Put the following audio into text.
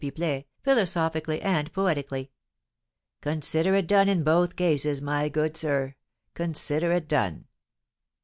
Pipelet, philosophically and poetically. "Consider it done in both cases; my good sir, consider it done."